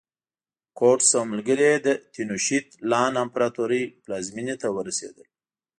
کورټز او ملګري یې د تینوشیت لان امپراتورۍ پلازمېنې ته ورسېدل.